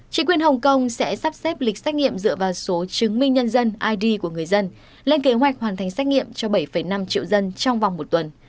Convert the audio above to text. chính quyền hồng kông sẽ sắp xếp lịch xét nghiệm dựa vào số chứng minh nhân dân id của người dân lên kế hoạch hoàn thành xét nghiệm cho bảy năm triệu dân trong vòng một tuần